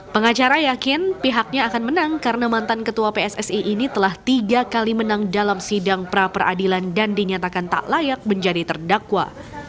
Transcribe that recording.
pengacara yakin pihaknya akan menang karena mantan ketua pssi ini telah tiga kali menang dalam sidang pra peradilan dan dinyatakan tak layak menjadi terdakwa